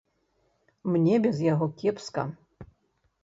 Мне без яго кепска.